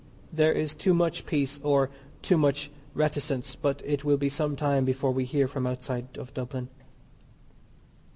There is too much peace or too much reticence, but it will be some time before we hear from outside of Dublin.